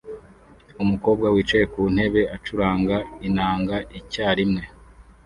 Umukobwa wicaye ku ntebe acuranga inanga icyarimwe